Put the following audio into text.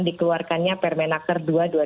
dikeluarkannya permenaker dua